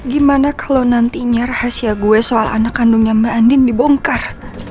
gimana kalau nantinya rahasia gue soal anak kandungnya mbak andin dibongkar